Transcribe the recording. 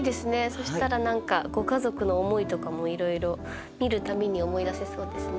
そしたら何かご家族の思いとかもいろいろ見る度に思い出せそうですね。